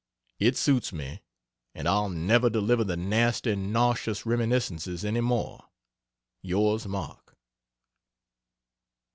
It suits me and I'll never deliver the nasty, nauseous "Reminiscences" any more. Yours, MARK.